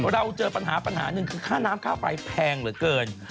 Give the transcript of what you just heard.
เราเจอปัญหาปัญหาหนึ่งคือค่าน้ำค่าไฟแพงเหลือเกิน